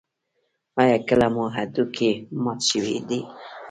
ایا کله مو هډوکی مات شوی دی؟